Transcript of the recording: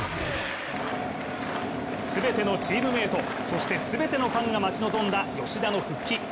すべてのチームメートそして、すべてのファンが待ち望んだ吉田の復帰。